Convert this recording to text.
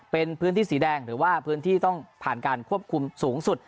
เป็นพื้นที่สีแดงหรือว่าพื้นที่ต้องผ่านการควบคุมสูงสุด